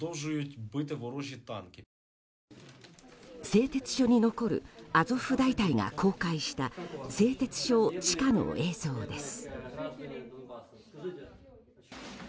製鉄所に残るアゾフ大隊が公開した製鉄所地下の映像です。